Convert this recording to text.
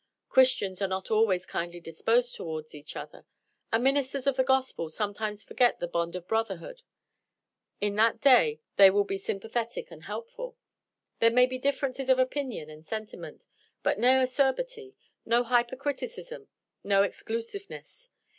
Christians are not always kindly disposed toward each other; and ministers of the gospel sometimes forget the bond of brotherhood. In that day they will be sympathetic and helpful. There may be differences of opinion and sentiment, but no acerbity, no hypercriticism, and no exclusiveness.